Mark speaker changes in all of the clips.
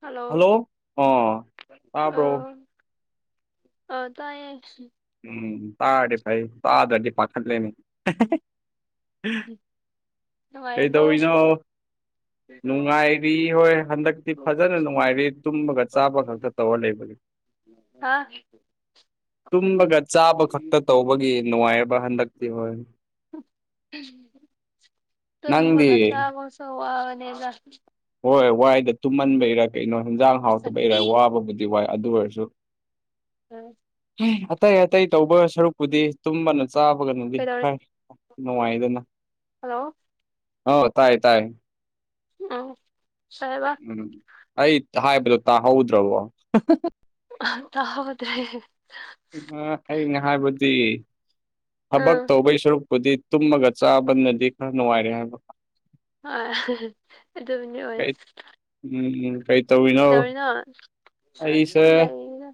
Speaker 1: Hello
Speaker 2: ꯑꯣ ꯇꯥꯕ꯭ꯔꯣ
Speaker 1: ꯑꯥ ꯑꯥ ꯇꯥꯏꯌꯦ
Speaker 2: ꯎꯝ ꯇꯥꯔꯗꯤ ꯐꯩ ꯇꯥꯗ꯭ꯔꯥꯗꯤ ꯄꯥꯈꯠꯂꯦꯅꯦ
Speaker 1: ꯅꯨꯡꯉꯥꯏꯔꯤꯕꯣ
Speaker 2: ꯀꯩꯗꯧꯔꯤꯅꯣ ꯅꯨꯡꯉꯥꯏꯔꯤ ꯍꯣꯏ ꯍꯟꯗꯛꯇꯤ ꯐꯥꯖꯅ ꯅꯨꯡꯉꯥꯏꯔꯤ ꯇꯨꯝꯃꯒ ꯆꯥꯕ ꯈꯛꯇ ꯇꯧꯔ ꯂꯩꯕꯒꯤ
Speaker 1: ꯍꯥ
Speaker 2: ꯇꯨꯝꯕꯒ ꯆꯥꯕ ꯈꯛꯇ ꯇꯧꯕꯒꯤ ꯅꯨꯡꯉꯥꯏꯕ ꯍꯟꯗꯛꯇꯤ ꯍꯣꯏ ꯅꯪꯗꯤ
Speaker 1: ꯇꯨꯝꯕꯒ ꯆꯥꯕꯁꯨ ꯋꯥꯕꯅꯤꯗ
Speaker 2: ꯍꯣꯏ ꯋꯥꯏꯗ ꯇꯨꯝꯃꯟꯕꯩꯔ ꯀꯩꯅꯣ ꯍꯦꯟꯖꯥꯡ ꯍꯥꯎꯇꯕꯩꯔ ꯋꯥꯕꯕꯨꯗꯤ ꯋꯥꯏ ꯑꯗꯨ ꯑꯣꯏꯔꯁꯨ
Speaker 1: ꯎꯝ
Speaker 2: ꯑꯇꯩ ꯑꯇꯩ ꯇꯧꯕ ꯁꯔꯨꯛꯄꯨꯗꯤ ꯇꯨꯝꯕꯅ ꯆꯥꯕꯒꯅꯗꯤ
Speaker 1: ꯀꯩꯗꯧꯔꯤ
Speaker 2: ꯍꯣꯏ ꯅꯨꯡꯉꯥꯏꯗꯅ
Speaker 1: ꯍꯜꯂꯣ
Speaker 2: ꯑꯥꯎ ꯇꯥꯏ ꯇꯥꯏ
Speaker 1: ꯑꯥꯎ ꯀꯩꯕ
Speaker 2: ꯎꯝ ꯑꯩ ꯍꯥꯏꯕꯗꯣ ꯇꯥꯍꯧꯗ꯭ꯔꯕꯣ
Speaker 1: ꯇꯥ ꯍꯧꯗ꯭ꯔꯦ
Speaker 2: ꯑꯩꯅ ꯍꯥꯏꯕꯗꯤ ꯊꯕꯛ
Speaker 1: ꯎꯝ
Speaker 2: ꯇꯧꯕꯩ ꯁꯔꯨꯛ ꯄꯨꯗꯤ ꯇꯨꯝꯃꯒ ꯆꯥꯕꯅꯗꯤ ꯈꯔ ꯅꯨꯡꯉꯥꯏꯔꯦ ꯍꯥꯏꯕ
Speaker 1: ꯍꯣꯏ ꯑꯗꯨꯕꯨꯗꯤ ꯑꯣꯏ
Speaker 2: ꯀꯩ ꯎꯝ ꯀꯩ
Speaker 1: ꯀꯩꯗꯧꯔꯤꯅꯣ ꯑꯩ
Speaker 2: ꯑꯩꯁ
Speaker 1: ꯁꯨꯝ ꯂꯩꯔꯤꯗ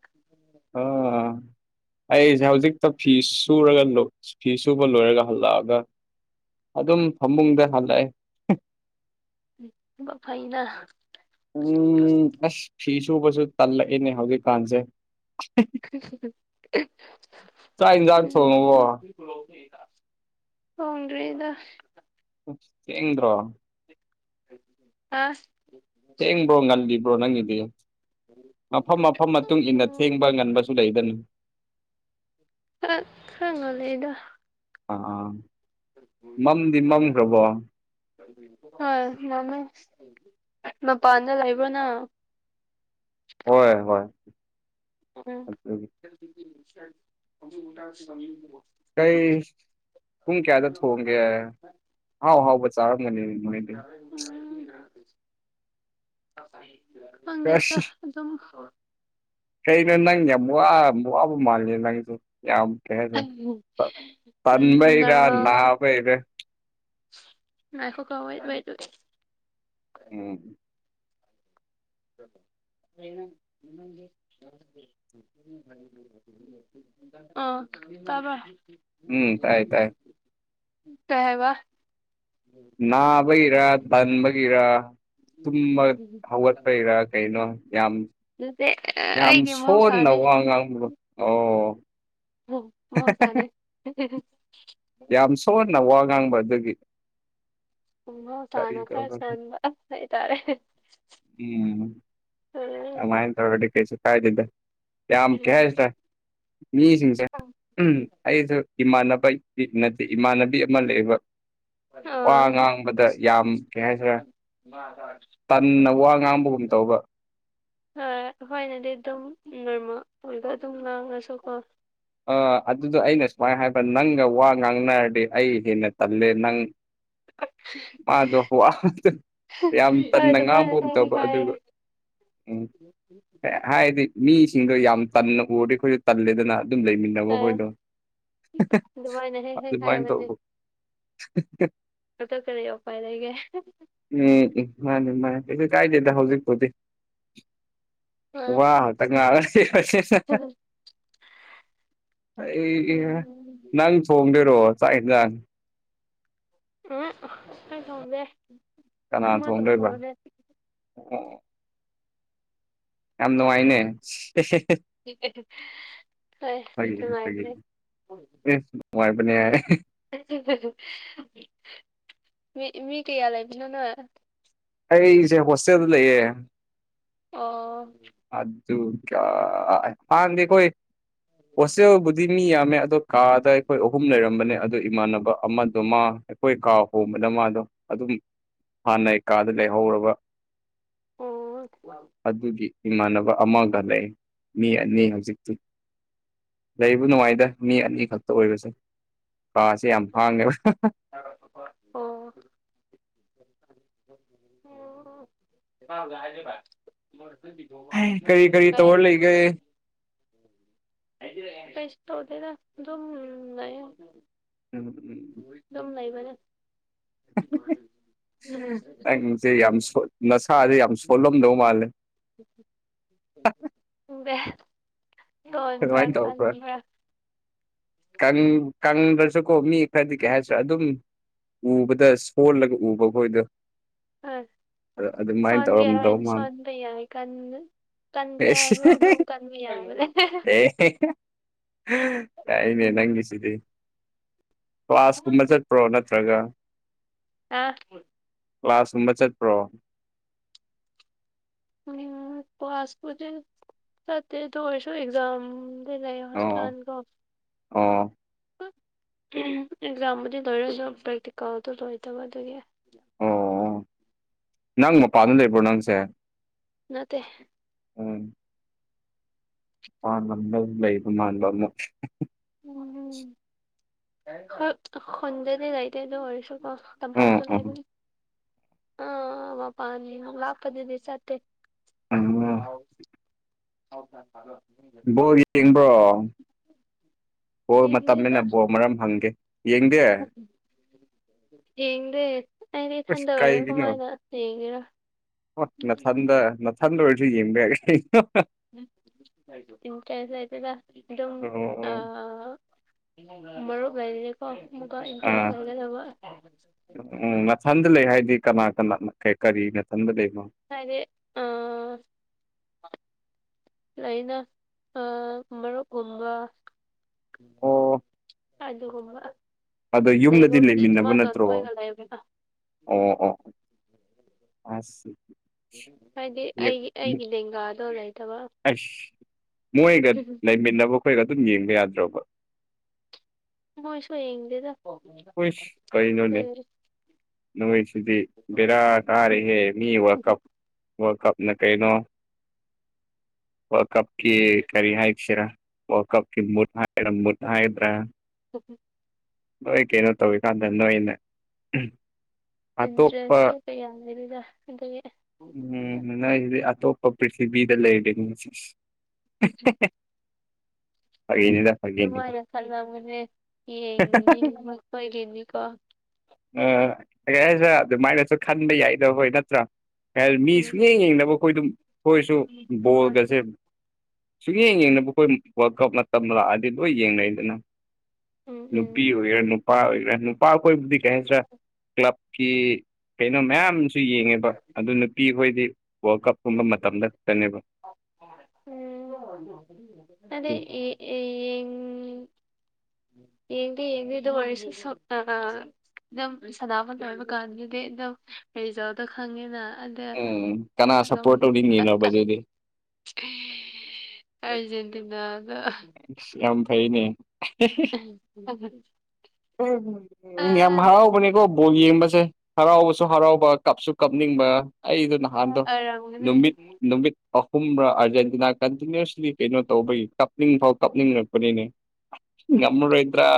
Speaker 2: ꯑꯥ ꯑꯩꯁꯦ ꯍꯧꯖꯤꯛꯇ ꯐꯤ ꯁꯨꯔꯒ ꯐꯤ ꯁꯨꯕ ꯂꯣꯏꯔꯒ ꯍꯜꯂꯛꯑꯒ ꯑꯗꯨꯝ ꯐꯃꯨꯡꯗ ꯍꯜꯂꯛꯑꯦ
Speaker 1: ꯊꯥꯕꯛ ꯐꯩꯅ
Speaker 2: ꯎꯝ ꯑꯁ ꯐꯤ ꯁꯨꯕꯁꯨ ꯇꯜꯂꯛꯏꯅꯦ ꯍꯧꯖꯤꯛꯀꯥꯟꯁꯦ ꯆꯥꯛ ꯌꯦꯟꯁꯥꯡ ꯊꯣꯡꯉꯕꯣ
Speaker 1: ꯎꯝ ꯊꯣꯡꯗ꯭ꯔꯤꯗ
Speaker 2: ꯊꯦꯡꯗ꯭ꯔꯣ
Speaker 1: ꯑꯁ
Speaker 2: ꯊꯦꯡꯕ꯭ꯔꯣ ꯉꯜꯂꯤꯕ꯭ꯔꯣ ꯅꯪꯒꯤꯗꯤ ꯃꯐꯝ ꯃꯐꯝ ꯃꯇꯨꯡ ꯏꯟꯅ ꯊꯦꯡꯕ ꯉꯟꯕ ꯂꯩꯗꯅ
Speaker 1: ꯈꯔ ꯈꯔ ꯉꯜꯂꯤꯗ
Speaker 2: ꯑꯥ ꯑꯥ ꯃꯝꯗꯤ ꯃꯝꯈ꯭ꯔꯕꯣ
Speaker 1: ꯍꯣꯏ ꯃꯝꯃꯦ ꯃꯄꯥꯟꯗ ꯂꯩꯕ꯭ꯔꯣ ꯅꯪ
Speaker 2: ꯍꯣꯏ ꯍꯣꯏ
Speaker 1: ꯎꯝ
Speaker 2: ꯑꯗꯨꯒꯤ ꯀꯩ ꯄꯨꯡ ꯀꯌꯥꯗ ꯊꯣꯡꯒꯦ ꯑꯍꯥꯎ ꯍꯥꯎꯕ ꯆꯥꯔꯝꯒꯅꯤ ꯅꯣꯏꯗꯤ
Speaker 1: ꯎꯝ [unintelligible] ꯈꯪꯗꯦꯗ
Speaker 2: ꯑꯁ
Speaker 1: ꯑꯗꯨꯝ
Speaker 2: ꯀꯩꯅꯣ ꯅꯪ ꯌꯥꯝ ꯋꯥ ꯋꯥꯕ ꯃꯥꯥꯜꯂꯦ ꯅꯪꯖꯨ ꯌꯥꯝ ꯀꯩ ꯍꯥꯏꯗꯣꯏꯅꯣ
Speaker 1: ꯎꯝ
Speaker 2: ꯇꯟꯕꯩꯔꯥ
Speaker 1: ꯅꯣꯔꯃꯦꯜ
Speaker 2: ꯅꯥꯕꯩꯔꯥ
Speaker 1: ꯉꯥꯏꯈꯣꯀꯣ ꯋꯦꯠ ꯋꯦꯠ
Speaker 2: ꯎꯝ
Speaker 1: [inaudible] ꯑꯥ ꯇꯥꯕ꯭ꯔꯥ
Speaker 2: ꯎꯝ ꯇꯥꯏ ꯇꯥꯏ
Speaker 1: ꯀꯩ ꯍꯥꯏꯕ
Speaker 2: ꯅꯥꯕꯒꯤꯔ ꯇꯟꯕꯒꯤꯔ ꯇꯨꯝꯕ ꯍꯧꯒꯠꯄꯩꯔꯥ
Speaker 1: [inaudible]
Speaker 2: ꯀꯩꯅꯣ ꯌꯥꯝ
Speaker 1: ꯅꯠꯇꯦ
Speaker 2: ꯌꯥꯝ
Speaker 1: ꯑꯩꯒꯤ
Speaker 2: ꯁꯣꯟꯅ
Speaker 1: ꯃꯍꯧꯁꯥꯅꯦ
Speaker 2: ꯋꯥ ꯉꯥꯡꯕ ꯑꯣ
Speaker 1: ꯃꯁꯅꯦ
Speaker 2: ꯉꯥꯡꯕꯗꯒꯤ
Speaker 1: ꯎ ꯆꯅ ꯐ
Speaker 2: ꯇꯧꯕ
Speaker 1: ꯆꯕ ꯍꯥꯏꯇꯥꯔꯦ ꯎꯝ
Speaker 2: ꯎꯝꯥꯏꯟ ꯊꯧꯒ ꯀꯩꯁꯨ ꯀꯥꯏꯗꯗ ꯌꯥ ꯀꯌꯥ ꯍꯥꯏꯁ ꯇ ꯃꯤꯁꯤꯡꯁ ꯎꯝ ꯑꯩ ꯏꯃꯥꯟꯅꯕ ꯅꯠꯇꯦ ꯏꯃꯥꯟꯅꯕꯤ ꯑꯃ ꯂꯩꯕ ꯋꯥ
Speaker 1: ꯑꯥ
Speaker 2: ꯉꯥꯡꯕꯗ ꯌꯥꯝ ꯀꯩ ꯍꯥꯏꯁꯤꯔꯦ
Speaker 1: ꯃꯥ ꯁꯥ
Speaker 2: ꯉꯥꯡꯕꯒꯨꯝ ꯇꯧꯕ
Speaker 1: ꯍꯣꯏ ꯍꯣꯏꯅꯗꯤ ꯑꯗꯨꯝ ꯅꯣꯔꯃꯜ ꯑꯣꯏꯕ ꯑꯗꯨꯝ ꯂꯥꯡꯉꯁꯨ ꯀꯣ
Speaker 2: ꯑ ꯑꯗꯨꯗꯣ ꯑꯩꯅ ꯁꯨꯃꯥꯏꯅ ꯍꯥꯏꯕ ꯅꯪꯒ ꯋꯥ ꯉꯥꯡꯅꯔꯗꯤ ꯑꯩ ꯍꯦꯟꯅ ꯇꯜꯂꯦ ꯅꯪ ꯃꯥꯗꯣ ꯋꯥ ꯌꯥꯝ
Speaker 1: ꯑ
Speaker 2: ꯇꯟꯅ
Speaker 1: ꯑꯗꯨ ꯃꯥ
Speaker 2: ꯉꯥꯡꯕꯒꯨꯝ ꯇꯧꯕ
Speaker 1: ꯍ
Speaker 2: ꯑꯗꯨꯒ ꯎꯝ ꯍꯥꯏꯗꯤ ꯃꯤꯁꯤꯡꯗꯣ ꯌꯥꯝ ꯇꯟꯅ ꯎꯔꯗꯤ ꯑꯩꯈꯣꯏꯗ ꯇꯜꯂꯦꯗꯅ ꯑꯗꯨꯝ ꯂꯩꯃꯤꯟꯅꯩ
Speaker 1: ꯍꯥꯏ
Speaker 2: ꯅꯕꯈꯣꯏꯗꯣ
Speaker 1: ꯑꯗꯨꯃꯥꯏꯅ ꯍꯦꯛ ꯍꯦꯛ
Speaker 2: ꯑꯗꯨꯃꯥꯏꯅ
Speaker 1: ꯍꯥꯏꯕꯅꯦ
Speaker 2: ꯇꯧꯕꯧꯕ
Speaker 1: ꯑꯗ ꯀꯔꯤ ꯎꯄꯥꯏ ꯂꯩꯒꯦ
Speaker 2: ꯎꯝ ꯎꯝ ꯃꯥꯅꯦ ꯃꯥꯅꯦꯁꯨ ꯀꯥꯏꯗꯦꯗ ꯍꯧꯖꯤꯛ ꯐꯣꯗꯤ
Speaker 1: ꯑꯩ
Speaker 2: ꯋꯥꯍ ꯇ ꯉꯔ ꯑꯩ ꯅꯪ ꯊꯣꯡꯝꯕꯤꯔꯣ ꯆꯥꯛꯟꯖꯥꯡ
Speaker 1: ꯎ ꯍꯥꯎꯗꯦ
Speaker 2: ꯀꯅꯥꯅ ꯊꯣꯡꯗ꯭ꯔꯣꯏꯕ ꯑꯣ ꯌꯥꯝ ꯅꯨꯡꯉꯥꯏꯅꯦ
Speaker 1: ꯎꯝ
Speaker 2: ꯍꯦ ꯍꯦ
Speaker 1: ꯍꯣꯏ ꯅꯨꯡꯉꯥꯏꯕꯅꯦ
Speaker 2: ꯑꯦ ꯅꯨꯡꯉꯥꯏꯕꯅꯤꯍꯦ
Speaker 1: ꯃꯤ ꯃꯤ ꯀꯩꯌꯥ ꯂꯩꯕꯤꯅꯣ ꯅꯪ
Speaker 2: ꯑꯩꯁꯦ ꯍꯣꯁꯇꯦꯜꯗ ꯂꯩꯌꯦ
Speaker 1: ꯑꯣ
Speaker 2: ꯑꯗꯨꯒ ꯍꯥꯟꯅꯗꯤ ꯑꯩꯈꯣꯏ ꯍꯣꯁꯇꯦꯜꯕꯨꯗꯤ ꯃꯤ ꯌꯥꯝꯃꯦ ꯑꯗꯣ ꯀꯥꯗ ꯑꯩꯈꯣꯏ ꯑꯍꯨꯝ ꯂꯩꯔꯝꯕꯅꯦ ꯑꯗꯨ ꯏꯃꯥꯟꯅꯕ ꯑꯃꯗꯣ ꯃꯥ ꯑꯩꯈꯣꯏ ꯀꯥ ꯍꯣꯡꯕꯗ ꯃꯥꯗꯣ ꯑꯗꯨꯝ ꯍꯥꯟꯅꯩ ꯀꯥꯗ ꯂꯩꯍꯧꯔꯕ
Speaker 1: ꯑꯣ
Speaker 2: ꯑꯗꯨꯒꯤ ꯏꯃꯥꯟꯅꯕ ꯑꯃꯒ ꯂꯩ ꯃꯤ ꯑꯅꯤ ꯍꯧꯖꯤꯛꯇꯤ ꯂꯩꯕꯨ ꯅꯨꯡꯉꯥꯏꯗ ꯃꯤ ꯑꯅꯤ ꯈꯛꯇ ꯑꯣꯏꯕꯁꯦ ꯀꯥꯁꯦ ꯌꯥꯝ ꯍꯥꯡꯉꯦꯕ
Speaker 1: ꯑꯣ [unintelligible]
Speaker 2: ꯀꯔꯤ ꯀꯔꯤ ꯇꯧꯔ ꯂꯩꯒꯦ
Speaker 1: ꯀꯩꯁꯨ ꯇꯧꯗꯦꯗ ꯑꯗꯨꯝ ꯂꯩꯌꯦ
Speaker 2: [unintelligible]
Speaker 1: ꯑꯗꯨꯝ ꯂꯩꯕꯅꯦ
Speaker 2: ꯅꯪꯁꯦ ꯌꯥꯝ ꯁꯣꯟ ꯅꯁꯥꯥꯁꯦ ꯌꯥꯝ ꯁꯣꯜꯂꯝꯗꯧ ꯃꯥꯜꯂꯦ
Speaker 1: ꯈꯪꯗꯦ ꯇꯣꯟꯕ꯭ꯔꯥ
Speaker 2: ꯑꯗꯨꯃꯥꯏꯅ ꯇꯧꯕ꯭ꯔꯣ
Speaker 1: ꯀꯟꯕ꯭ꯔꯥ
Speaker 2: ꯀꯪ ꯀꯪꯗ꯭ꯔꯁꯨꯀꯣ ꯃꯤ ꯈꯔꯗꯤ ꯀꯩ ꯍꯥꯏ ꯇꯥꯔꯦ ꯑꯗꯨꯝ ꯎꯕꯗ ꯁꯣꯜꯂꯒ ꯎꯕꯈꯣꯏꯗꯣ
Speaker 1: ꯑ ꯁꯣꯟꯒꯦ
Speaker 2: ꯇꯧꯔꯝꯗꯧ
Speaker 1: ꯍꯥꯏꯗꯤ
Speaker 2: ꯃꯥꯜꯂꯦ
Speaker 1: ꯁꯣꯟꯕ ꯌꯥꯏ ꯀꯟ ꯀꯟꯁꯦ
Speaker 2: ꯑꯦꯁ
Speaker 1: ꯍꯥꯏꯔꯒ ꯑꯗꯨꯝ ꯀꯟ ꯑꯗꯨꯒ ꯌꯥꯕꯅꯦ
Speaker 2: ꯑꯦ ꯍꯦ ꯌꯥꯏꯅꯦ
Speaker 1: ꯎꯝ
Speaker 2: ꯅꯪꯒꯤ ꯁꯤꯗꯤ ꯀ꯭ꯂꯥꯁ ꯀꯨꯝꯕ ꯆꯠꯄ꯭ꯔꯣ ꯅꯠꯇ꯭ꯔꯒ
Speaker 1: ꯑꯥꯍ
Speaker 2: ꯀ꯭ꯂꯥꯁꯀꯨꯝꯕ ꯆꯠꯄ꯭ꯔꯣ
Speaker 1: ꯎꯝ ꯀ꯭ꯂꯥꯁꯕꯨꯗꯤ ꯆꯠꯇꯦ ꯑꯗꯨ ꯑꯣꯏꯖꯨ ꯑꯦꯛꯖꯥꯝ
Speaker 2: ꯑꯣ ꯑꯣ
Speaker 1: [unintelligible] ꯑꯦꯛꯖꯥꯝꯕꯨꯗꯤ ꯂꯣꯏꯔꯁꯨ ꯄꯔꯥꯛꯇꯤꯀꯦꯜꯗꯣ ꯂꯣꯏꯗꯕ ꯑꯗꯨꯒꯤ
Speaker 2: ꯑꯣ ꯅꯪ ꯃꯄꯥꯟꯗ ꯂꯩꯕ꯭ꯔꯣ ꯅꯪꯁꯦ
Speaker 1: ꯅꯠꯇꯦ
Speaker 2: ꯎꯝ ꯃꯄꯥꯟ ꯂꯝꯗ ꯂꯩꯕ ꯃꯥꯟꯕ ꯑꯃꯨꯛ
Speaker 1: ꯎꯝ ꯈꯣꯏ ꯈꯨꯟꯗꯗꯤ ꯂꯩꯇꯦ ꯑꯗꯨ ꯑꯣꯏꯁꯨ ꯀꯣ
Speaker 2: ꯎꯝ
Speaker 1: ꯇꯝꯄꯥꯛꯇ
Speaker 2: ꯎꯝ
Speaker 1: ꯂꯩꯕ ꯑ ꯃꯄꯥꯟ ꯂꯥꯞꯄꯗꯗꯤ ꯆꯠꯇꯦ
Speaker 2: ꯎꯝ
Speaker 1: [unintelligible]
Speaker 2: ꯕꯣꯜ ꯌꯦꯡꯕ꯭ꯔꯣ ꯕꯣꯜ
Speaker 1: ꯌꯦꯡꯗꯦꯗ
Speaker 2: ꯃꯇꯝꯅꯤꯅ ꯕꯣꯝ ꯃꯔꯝ ꯍꯪꯒꯦ ꯌꯦꯡꯗꯦ
Speaker 1: ꯌꯦꯡꯗꯦ ꯑꯩ
Speaker 2: ꯑꯁ
Speaker 1: ꯏꯊꯟꯗ ꯑꯣꯏꯔ
Speaker 2: ꯀꯩꯒꯤꯅꯣ
Speaker 1: ꯀꯃꯥꯏꯅ ꯌꯦꯡꯒꯦꯔ
Speaker 2: ꯑꯣ ꯅꯊꯟꯗ ꯅꯊꯟꯗ ꯑꯣꯏꯔꯁꯨ ꯌꯦꯡꯕ ꯌꯥꯏ ꯀꯩꯅꯣ
Speaker 1: ꯏꯟꯇ꯭ꯔꯦꯁ ꯂꯩꯇꯦꯗ ꯑꯗꯨꯝ
Speaker 2: ꯑꯣ
Speaker 1: ꯑ
Speaker 2: ꯑꯣ
Speaker 1: ꯃꯔꯨꯞ ꯂꯩꯔꯗꯤꯀꯣ ꯑꯃꯨꯛꯀ ꯏꯟꯇ꯭ꯔꯦꯁ
Speaker 2: ꯑꯥ
Speaker 1: ꯂꯩꯒꯗꯕ
Speaker 2: ꯊꯟꯗ ꯂꯩ ꯍꯥꯏꯗꯤ ꯀꯅꯥ ꯀꯅꯥ ꯀꯔꯤ ꯅꯊꯟꯗ ꯂꯩꯔꯤꯅꯣ
Speaker 1: ꯍꯥꯏꯗꯤ ꯑ ꯂꯩꯅ ꯑ ꯃꯔꯨꯞ ꯀꯨꯝꯕ
Speaker 2: ꯑꯣ
Speaker 1: ꯑꯗꯨꯒꯨꯝꯕ
Speaker 2: ꯑꯗꯣ ꯌꯨꯝꯗꯗꯤ
Speaker 1: ꯂꯩꯕꯕꯨꯗꯤ
Speaker 2: ꯂꯩꯃꯤꯟꯅꯕ
Speaker 1: ꯏꯃꯥꯇꯣꯟ
Speaker 2: ꯅꯠꯇ꯭ꯔꯣ
Speaker 1: ꯈꯣꯏꯒ ꯂꯩꯕ
Speaker 2: ꯑꯣ ꯑꯣ ꯑꯁ
Speaker 1: ꯍꯥꯏꯗꯤ ꯑꯩꯒꯤ ꯑꯩꯒꯤ ꯂꯦꯡꯒꯥꯗꯣ ꯂꯩꯇꯕ
Speaker 2: ꯑꯁ ꯃꯣꯏꯒ ꯂꯩꯃꯤꯟꯅꯕ ꯈꯣꯏꯒ ꯑꯗꯨꯝ ꯌꯦꯡꯕ ꯌꯥꯗ꯭ꯔꯕ
Speaker 1: ꯃꯣꯏꯁꯨ ꯌꯦꯡꯗꯦꯗ
Speaker 2: ꯎꯁ ꯀꯩꯅꯣꯅꯦ
Speaker 1: ꯑꯗꯨꯒꯤ
Speaker 2: ꯅꯣꯏ ꯁꯤꯗꯤ ꯕꯦꯔꯥ ꯀꯥꯔꯦꯍꯦ ꯃꯤ ꯋꯥ ꯀꯞ ꯋꯥꯔꯜꯗ ꯀꯞꯅ ꯀꯩꯅꯣ ꯋꯥꯔꯜꯗ ꯀꯞ ꯀ ꯀꯔꯤ ꯍꯥꯏꯥꯁꯤꯔ ꯋꯥ ꯀꯞ ꯃꯨꯗ ꯍꯥꯏꯔ ꯃꯨꯗ ꯍꯥꯏꯗ꯭ꯔꯥ
Speaker 1: ꯑꯣ
Speaker 2: ꯅꯣꯏ ꯀꯩꯅꯣ ꯇꯧꯋ ꯀꯥꯟꯗ ꯅꯣꯏꯅ ꯑꯇꯣꯞꯄ
Speaker 1: ꯏꯟꯇꯔꯦꯁꯁꯨ ꯀꯌꯥ ꯂꯩꯇꯦꯗ ꯑꯗꯒꯤ
Speaker 2: ꯅꯣꯏꯗꯤ ꯑꯇꯣꯞꯄ ꯄ꯭ꯔꯤꯊꯕꯤꯗ ꯂꯩꯕꯅꯤ ꯐꯥꯒꯤꯅꯤꯗ ꯐꯥꯒꯤꯅꯤꯗ
Speaker 1: ꯁꯃꯥꯏꯅ ꯈꯅꯥ ꯑꯃꯅꯦ ꯌꯦꯡꯅꯤꯡ ꯉꯛꯄꯒꯤꯅꯤꯀꯣ
Speaker 2: ꯑꯁ ꯑꯗꯨꯃꯥꯏꯅꯁꯨ ꯈꯟꯕ ꯌꯥꯏꯗ ꯍꯣꯏ ꯅꯠꯇ꯭ꯔꯥ ꯃꯤ
Speaker 1: ꯎꯝ
Speaker 2: ꯁꯨꯡꯌꯦꯡ ꯌꯦꯡꯗꯕ ꯑꯩꯈꯣꯏ ꯑꯗꯨꯝ ꯑꯩꯈꯣꯏꯁꯨ ꯕꯣꯜꯒꯁꯦ ꯁꯨꯛꯌꯦꯡ ꯌꯦꯡꯗꯕ ꯑꯩꯈꯣꯏ ꯋꯥꯛ ꯀꯞ ꯃꯇꯝ ꯂꯥꯛꯑꯗꯤ ꯂꯣꯏ ꯌꯦꯡꯅꯩꯗꯅ
Speaker 1: ꯎꯝ ꯎꯝ
Speaker 2: ꯅꯨꯄꯤ ꯑꯣꯏꯒꯦꯔꯥ ꯅꯨꯄꯥ ꯑꯣꯏꯒꯦꯔꯥ ꯅꯨꯄꯥ ꯑꯩꯈꯣꯏꯕꯨꯗꯤ ꯀꯩ ꯍꯥꯏꯁꯤ꯭ꯔꯥ ꯀ꯭ꯂꯕꯀꯤ ꯀꯩꯅꯣ ꯃꯌꯥꯝꯁꯨ ꯌꯦꯡꯉꯦꯕ ꯑꯗꯨ ꯅꯨꯄꯤ ꯑꯩꯈꯣꯏꯗꯤ ꯋꯥꯔꯜ ꯀꯞꯀꯨꯝꯕ ꯃꯇꯝꯗ ꯈꯛꯇꯅꯦꯕ
Speaker 1: ꯎꯝ ꯑꯗ ꯌꯦꯡꯗꯤ ꯌꯦꯡ ꯑꯗꯨ ꯋꯥꯔꯁ ꯁꯛꯇ ꯑꯗꯨꯝ ꯁꯅꯥꯃꯣ ꯑꯣꯏꯕ ꯀꯥꯟꯗꯨꯗꯤ ꯑꯗꯨꯝ ꯔꯤꯖꯜꯗ ꯈꯪꯉꯤꯅ ꯗ
Speaker 2: ꯎꯝ ꯀꯅꯥ ꯁꯞꯄꯣꯔꯠ ꯇꯧꯅꯤꯡꯉꯤꯅꯣꯕ ꯑꯗꯨꯗꯤ
Speaker 1: ꯑꯔꯖꯦꯟꯇꯤꯅꯥꯗ
Speaker 2: ꯌꯥꯝ ꯐꯩꯅꯦ ꯝꯚꯥꯎꯕꯅꯤꯀꯣ ꯕꯣꯜ ꯌꯦꯡꯕꯁꯦ ꯍꯔꯥꯎꯕꯁꯨ ꯍꯔꯥꯎꯕ ꯀꯞꯁꯨ ꯀꯞꯅꯤꯡꯕ ꯑꯩꯗꯨꯅ ꯍꯥꯟꯗ
Speaker 1: ꯑꯣꯏꯔꯝꯒꯅꯤ
Speaker 2: ꯅꯨꯃꯤꯠ ꯅꯨꯃꯤꯠ ꯑꯍꯨꯝꯕ꯭ꯔꯥ ꯑꯥꯔꯖꯦꯟꯇꯤꯅꯥ ꯀꯟꯇꯤꯅ꯭ꯨꯁꯂꯤ ꯀꯩꯅꯣ ꯇꯧꯕꯒꯤ ꯀꯞꯅꯤꯡ ꯐꯥꯎ ꯀꯞꯅꯤꯡꯉꯛꯄꯅꯤꯅꯦ ꯝꯔ ꯏꯗ꯭ꯔꯥ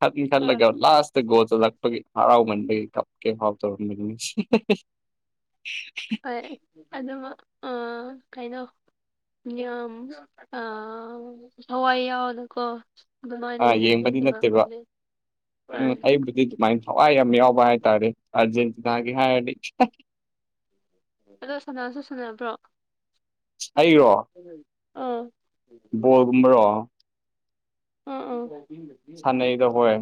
Speaker 2: ꯈ ꯈꯂꯒ
Speaker 1: ꯎꯝ.
Speaker 2: ꯂꯥꯁꯇ ꯒꯁꯗꯛꯄꯒꯤ ꯍꯔꯥꯎꯃꯟꯕꯩ ꯀꯞꯀꯦ ꯍꯔꯥꯎ ꯇꯧꯔꯝꯃꯤꯅꯤ
Speaker 1: ꯍꯣꯏ ꯑꯗꯨꯝ ꯑ ꯀꯩꯅꯣ ꯌꯥꯝ ꯑ ꯍꯋꯥꯏ ꯌꯥꯎꯗꯀꯣ ꯑꯗꯨ ꯃꯥꯥꯏꯅ
Speaker 2: ꯑꯥ
Speaker 1: ꯂꯩ
Speaker 2: ꯌꯦꯡꯕꯗꯤ ꯅꯠꯇꯦꯕ
Speaker 1: ꯂꯂꯦ
Speaker 2: ꯎꯝ ꯑꯩꯕꯨꯗꯤ ꯑꯗꯨꯃꯥꯏꯅ ꯊꯋꯥꯏ ꯌꯥꯝ ꯌꯥꯎꯕ ꯍꯥꯏꯇꯥꯔꯦ ꯑꯥꯔꯖꯦꯟꯇꯤꯅꯥꯒꯤ ꯍꯥꯏꯔꯗꯤ
Speaker 1: ꯍꯜꯂꯣ ꯁꯅꯥꯁꯨ ꯁꯅꯥꯕ꯭ꯔꯣ
Speaker 2: ꯑꯩꯔꯣ
Speaker 1: ꯑꯥ
Speaker 2: ꯕꯣꯜꯒꯨꯝꯕꯔꯣ
Speaker 1: ꯑ ꯑ
Speaker 2: ꯁꯥꯟꯅꯩꯗ ꯍꯣꯏ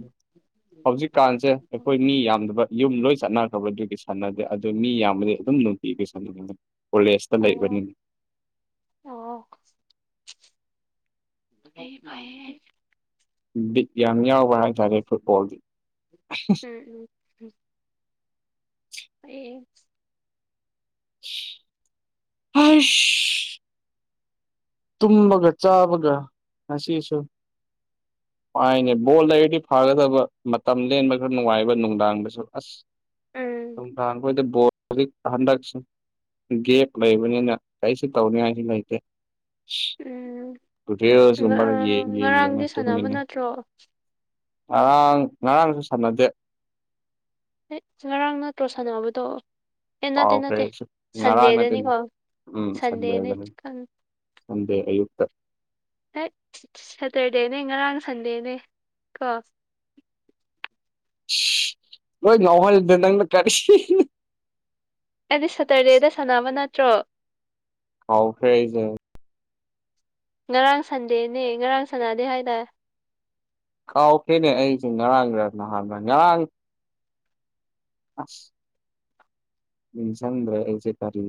Speaker 2: ꯍꯧꯖꯤꯛꯀꯥꯟꯁꯦ
Speaker 1: ꯑꯣ
Speaker 2: ꯑꯩꯈꯣꯏ ꯃꯤ ꯌꯥꯝꯗꯕ ꯌꯨꯝ ꯂꯣꯏ ꯆꯠꯅꯈ꯭ꯔꯕ ꯑꯗꯨꯒꯤ ꯁꯥꯟꯅꯗꯦ ꯑꯗꯨ ꯃꯤ ꯌꯥꯝꯕꯗꯤ ꯑꯗꯨꯝ ꯅꯨꯡꯄꯤꯒꯤ ꯁꯟ ꯀꯣꯂꯦꯖꯇ ꯂꯩꯕꯅꯤꯅꯦ
Speaker 1: ꯑꯣ ꯑꯩ
Speaker 2: ꯗꯤ ꯌꯥꯝ ꯌꯥꯎꯕ ꯍꯥꯏꯇꯥꯔꯦ ꯐꯨꯠꯕꯣꯜꯗꯤ
Speaker 1: ꯎꯝ ꯐꯩꯌꯦ ꯎꯝ ꯎꯝ ꯑꯦ
Speaker 2: ꯑ ꯇꯨꯝꯃꯒ ꯆꯥꯕꯒ ꯉꯁꯤꯁꯨ ꯄꯥꯏꯅꯦ ꯕꯣꯜ ꯂꯩꯔꯗꯤ ꯐꯥꯒꯗꯕ ꯃꯇꯝ ꯂꯦꯟꯕ ꯈꯔ ꯅꯨꯡꯉꯥꯏꯕ ꯅꯨꯡꯗꯥꯡꯗꯁꯨ ꯑꯁ
Speaker 1: ꯎꯝ
Speaker 2: ꯅꯨꯝꯗꯥꯡ ꯈꯣꯏꯗꯤ ꯕꯣ ꯍꯧꯖꯤꯛ ꯍꯟꯗꯛꯁꯨ ꯒꯦꯞ ꯂꯩꯕꯅꯤꯅ ꯀꯔꯤꯁꯨ ꯇꯧꯅꯤꯉꯥꯏꯁꯨ ꯂꯩꯇꯦ ꯀꯇꯦ ꯁꯒꯨꯝꯕꯦ ꯌꯦ
Speaker 1: ꯎꯝ ꯉꯔꯥꯡꯗꯤ ꯁꯥꯟꯅꯕ
Speaker 2: [unintelligible]
Speaker 1: ꯅꯠꯇ꯭ꯔꯣ
Speaker 2: ꯑꯔꯥꯡ ꯉꯔꯥꯡꯁꯨ ꯁꯥꯟꯅꯗꯦ
Speaker 1: ꯍ ꯉꯔꯥꯡ ꯅꯠꯇ꯭ꯔꯣ ꯁꯥꯟꯅꯕꯗꯣ ꯑꯦ ꯅꯠꯇꯦ
Speaker 2: ꯀꯥꯎꯈ꯭ꯔꯦ
Speaker 1: ꯅꯠꯇꯦ
Speaker 2: ꯑꯩꯁꯨ ꯉꯔꯥꯡ ꯅꯠꯇꯦꯅꯦ
Speaker 1: ꯁꯟꯗꯦꯗꯅꯤꯀꯣ
Speaker 2: ꯎꯝ
Speaker 1: ꯁꯟꯗꯦꯅꯦ
Speaker 2: ꯁꯟꯗꯦꯗꯅꯤ ꯁꯟꯗꯦ ꯑꯌꯨꯛꯇ
Speaker 1: ꯍ ꯁꯦꯇꯔꯗꯦꯅꯦ ꯉꯔꯥꯡ ꯁꯟꯗꯦꯅꯦ ꯀꯣ
Speaker 2: ꯅꯣꯏ ꯉꯥꯎꯍꯜꯂꯦ ꯅꯪꯅ ꯀꯔꯤ
Speaker 1: ꯑꯩꯗꯤ ꯁꯇꯔꯗꯦꯗ ꯁꯥꯟꯅꯕ ꯅꯠꯇ꯭ꯔꯣ
Speaker 2: ꯀꯥꯎꯈ꯭ꯔꯦ ꯑꯩꯁꯨ
Speaker 1: ꯉꯔꯥꯡ ꯁꯟꯗꯦꯅꯦ ꯉꯔꯥꯡ ꯁꯥꯟꯅꯗꯦ ꯍꯥꯏꯗꯥꯏ
Speaker 2: ꯀꯥꯎꯈ꯭ꯔꯦꯅꯦ ꯑꯩꯁꯦ ꯉꯔꯥꯡꯂ ꯅꯍꯥꯟꯂ ꯉꯔꯥꯡ ꯑꯁ ꯆꯗ꯭ꯔꯁꯦ ꯑꯩꯁꯦ ꯀꯔꯤ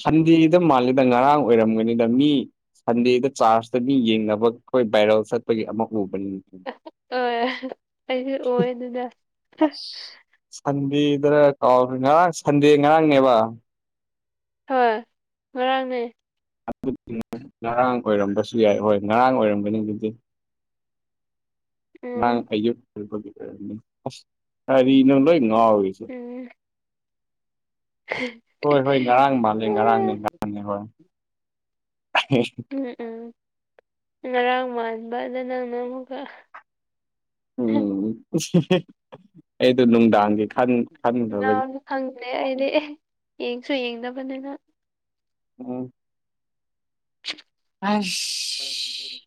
Speaker 2: ꯁꯟꯗꯦꯗ ꯃꯥ ꯗ ꯉꯔꯥꯡ ꯑꯣꯏꯔꯝꯒꯅꯤꯗ ꯃꯤ ꯁꯟꯗꯦꯗ ꯆꯥꯔꯖꯇ ꯃꯤ ꯌꯦꯡꯅꯕ ꯑꯩꯈꯣꯏ ꯕꯥꯏꯔꯦꯜ ꯆꯠꯄꯒꯤ ꯑꯃ ꯎꯕꯅꯤ
Speaker 1: [unintelligible] ꯑꯩꯁꯨ ꯑꯣꯏ ꯑꯗꯨꯅ
Speaker 2: ꯑꯁ ꯁꯟꯗꯦꯗꯔ ꯀꯥꯎ ꯉꯔꯥꯡ ꯁꯟꯗꯦ ꯉꯔꯥꯡꯅꯦꯕ
Speaker 1: ꯍꯣꯏ ꯉꯔꯥꯡꯅꯦ
Speaker 2: ꯑꯗꯨꯗꯤ ꯉꯔꯥꯡ ꯑꯣꯏꯔꯝꯕꯁꯨ ꯌꯥꯏ ꯍꯣꯏ ꯉꯔꯥꯡ ꯑꯣꯏꯔꯝꯕꯅꯤ ꯑꯗꯨꯗꯤ
Speaker 1: ꯎꯝ
Speaker 2: ꯉꯍꯥꯡ ꯑꯌꯨꯛꯒꯤ ꯑꯣꯏ ꯑꯁ ꯀꯔꯤꯅꯣ ꯂꯣꯏ ꯉꯥꯎꯔꯤꯁꯦ
Speaker 1: ꯎꯝ
Speaker 2: ꯍꯣꯏ ꯍꯣꯏ ꯉꯔꯥꯡ ꯃꯥꯜꯂꯦ ꯉꯔꯥꯡꯅꯦ
Speaker 1: ꯎꯝ
Speaker 2: ꯉꯔꯥꯡꯅꯦ ꯍꯣꯏ
Speaker 1: ꯎꯝ ꯎꯝ ꯉꯔꯥꯡ ꯃꯥꯟꯕꯗ ꯅꯪꯅ ꯑꯃꯨꯛꯀ
Speaker 2: ꯎꯝ ꯑꯩꯗ ꯅꯨꯡꯗꯥꯡꯒꯤ ꯈꯟ ꯈꯟꯗꯕꯒꯤ
Speaker 1: ꯈꯪꯗꯦ ꯑꯩꯗꯤ ꯑꯦ ꯌꯦꯡꯁꯨ ꯌꯦꯡꯗꯕꯅꯤꯅ
Speaker 2: [inaudible] ꯑꯥꯁ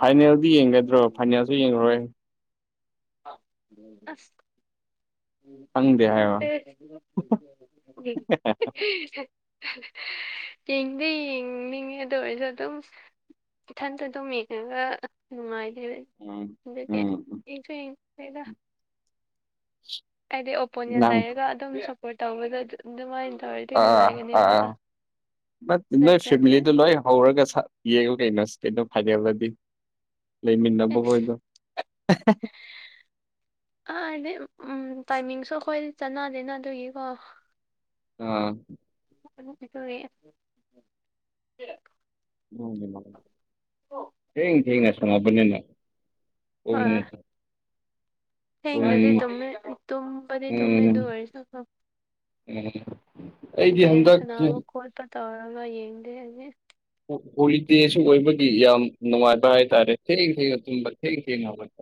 Speaker 2: ꯐꯥꯏꯅꯦꯜꯗꯤ ꯌꯦꯡꯒꯗ꯭ꯔꯣ ꯐꯥꯏꯅꯦꯜꯁꯨ ꯌꯦꯡꯉꯔꯣꯏ
Speaker 1: [unintelligible] ꯑꯁ
Speaker 2: ꯈꯪꯗꯦ ꯍꯥꯏꯌꯣ
Speaker 1: [unintelligible] ꯌꯦꯡꯗꯤ ꯌꯦꯡꯅꯤꯡꯉꯦ ꯑꯗꯨ ꯑꯣꯏꯔꯁꯨ ꯑꯗꯨꯝ ꯏꯊꯟꯇ ꯑꯗꯨꯝ ꯌꯦꯡꯉꯒ ꯅꯨꯡꯉꯥꯏꯗꯦ
Speaker 2: ꯎꯝ
Speaker 1: ꯑꯗꯨꯗꯤ
Speaker 2: ꯎꯝ
Speaker 1: [unintelligible] ꯍꯥꯏꯗꯤ ꯑꯣꯄꯣꯅꯦꯟ
Speaker 2: ꯅꯪ
Speaker 1: ꯂꯩꯔꯒ ꯑꯗꯨꯝ ꯁꯞꯄꯣꯔꯠ ꯇꯧꯕꯗꯣ ꯑꯗꯨꯃꯥꯏꯟ ꯇꯧꯌꯦ
Speaker 2: ꯑꯥ ꯑꯥ ꯅꯣꯏ
Speaker 1: ꯅꯠꯇ꯭ꯔꯗꯤ
Speaker 2: ꯐꯦꯃꯤꯂꯤꯗꯨ ꯂꯣꯏ ꯍꯧꯔꯒ ꯁ ꯌꯦꯡꯉꯨ ꯀꯩꯅꯣ ꯀꯩꯅꯣ ꯐꯥꯏꯅꯦꯜꯗꯗꯤ
Speaker 1: ꯑꯦꯁ
Speaker 2: ꯂꯩꯃꯤꯟꯅꯕ ꯈꯣꯏꯗꯣ
Speaker 1: ꯥ ꯍꯥꯏꯗꯤ ꯇꯥꯏꯃꯤꯡꯁꯨ ꯑꯩꯈꯣꯏ ꯆꯅꯗꯦꯅ ꯑꯗꯨꯒꯤꯀꯣ
Speaker 2: [unintelligible]
Speaker 1: [unintelligible]
Speaker 2: ꯈꯡꯗꯦꯗ ꯊꯦꯡ ꯊꯦꯡꯅ ꯁꯥꯅꯕꯅꯤꯅ
Speaker 1: ꯍꯣꯏ ꯊꯦꯡꯅꯗꯤ ꯇꯨꯝꯃꯦ ꯇꯨꯝꯕꯗꯤ ꯇꯨꯃꯦ
Speaker 2: ꯎꯝ ꯎꯝ
Speaker 1: ꯑꯗꯨ ꯑꯣꯏꯔꯁꯨ
Speaker 2: ꯑꯩꯗꯤ
Speaker 1: ꯒꯦꯝ
Speaker 2: ꯍꯟꯗꯛꯁꯦ
Speaker 1: ꯁꯥꯟꯅꯕ ꯈꯣꯠꯄ ꯇꯧꯔꯒ ꯌꯦꯡꯗꯦ ꯑꯩꯗꯤ
Speaker 2: ꯍꯣꯂꯤꯗꯦꯁꯨ ꯑꯣꯏꯕꯒꯤ ꯌꯥꯝ ꯅꯨꯡꯉꯥꯏꯕ ꯍꯥꯏꯇꯥꯔꯦ ꯊꯦꯡ ꯊꯦꯡꯅ ꯇꯨꯝꯕ ꯊꯦꯡ ꯊꯦꯡꯅ ꯍꯧꯒꯠ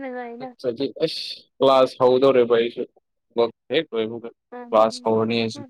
Speaker 1: ꯅꯨꯡꯉꯥꯏꯅ
Speaker 2: ꯅꯠꯇ꯭ꯔꯗꯤ ꯑꯁ ꯀ꯭ꯂꯥꯁ ꯍꯧꯗꯣꯔꯦꯕ ꯑꯩꯁꯨ ꯍꯦꯛ ꯂꯣꯏꯕꯨ ꯀ꯭ꯂꯥꯁ
Speaker 1: ꯎꯝ
Speaker 2: ꯍꯧꯔꯅꯤ ꯑꯩꯁꯨ
Speaker 1: ꯎꯝ